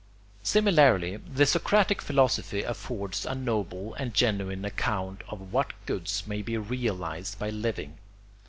] Similarly the Socratic philosophy affords a noble and genuine account of what goods may be realised by living.